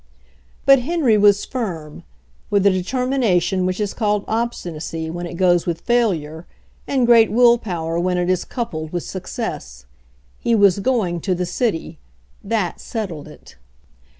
But Henry was firm, with a determination which is called obstinacy when it goes with fail ure and great will power when it is coupled with 64 HENRY FORD'S OWN STORY success. He was going to the city. That settled it.